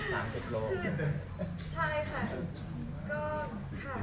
คือใช่ค่ะ